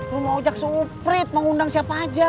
rumah ojak suprit mau ngundang siapa aja